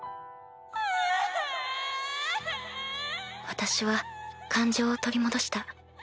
私は感情を取り戻した。